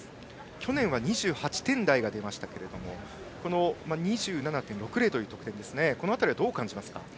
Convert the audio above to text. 去年は２８点台が出ましたけれども２７．６０という得点はどう感じますか。